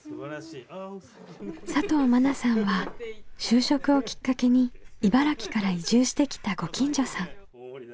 佐藤愛さんは就職をきっかけに茨城から移住してきたご近所さん。